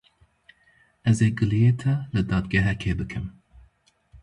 Ez ê giliyê te li dadgehekê bikim.